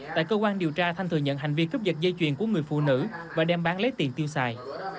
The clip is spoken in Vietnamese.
tại cơ quan điều tra thanh thừa nhận hành vi cướp giật dây chuyền của người phụ nữ và đem bán lấy tiền tiêu xài